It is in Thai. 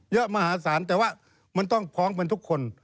มหาศาลแต่ว่ามันต้องพ้องเป็นทุกคน